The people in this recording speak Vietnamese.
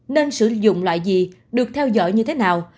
nên sử dụng loại gì được theo dõi như thế nào